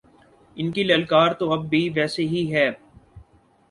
ان کی للکار تو اب بھی ویسے ہی ہے۔